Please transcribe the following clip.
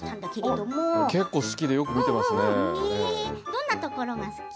どんなところが好き？